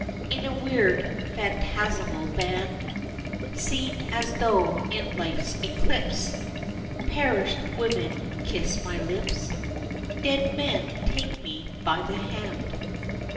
In a weird, phantasmal band, Seen as though in life's eclipse, Perished women kiss my lips, Dead men take me by the hand.